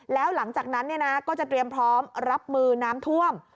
แล้วหลังจากนั้นก็จะเตรียมพร้อมรับมือน้ำท่วม